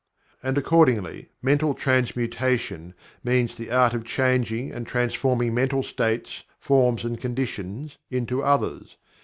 And accordingly, "Mental Transmutation" means the art of changing and transforming mental states, forms, and conditions, into others.